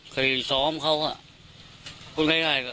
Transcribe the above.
เคยซ้อมเขาอะ